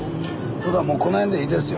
もうこの辺でいいですよ。